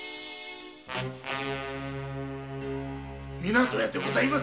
・湊屋でございます。